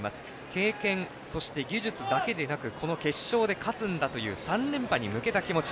経験、そして技術だけでなくこの決勝で勝つんだという３連覇に向けた気持ち。